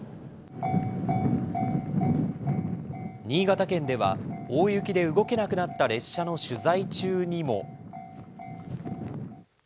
新潟県では、大雪で動けなくなった列車の取材中にも。